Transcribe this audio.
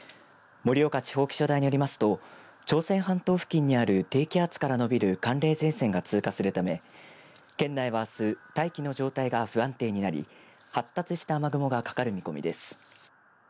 盛岡地方気象台によりますと朝鮮半島付近にある低気圧からのびる寒冷前線が通過するため県内はあす大気の状態が不安定になり発達した雨雲がかかる見込みです。